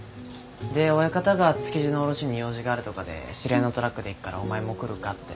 で親方が築地の卸しに用事があるとかで知り合いのトラックで行くからお前も来るかって。